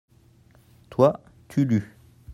toi, tu lus.